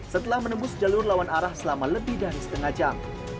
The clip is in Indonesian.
setelah menembus jalur lawan arah selama lebih dari setengah jam